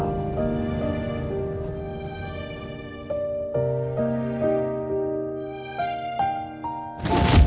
sekarang lagi di tangannya di jakarta hospital